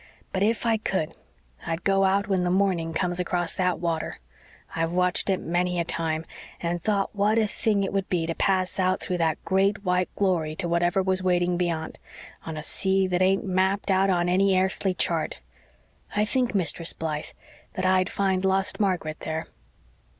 But if I could I'd go out when the morning comes across that water. I've watched it many a time and thought what a thing it would be to pass out through that great white glory to whatever was waiting beyant, on a sea that ain't mapped out on any airthly chart. I think, Mistress Blythe, that I'd find lost Margaret there."